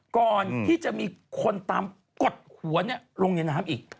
ก่อนที่จะมีคนตามกดหัวลงในน้ำอีก